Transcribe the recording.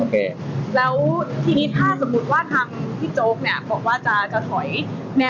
แล้วทีนี้ถ้าสมมุติว่าทางพี่โจ๊กเนี่ยบอกว่าจะจะถอย